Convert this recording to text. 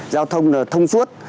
giao thông được thông suốt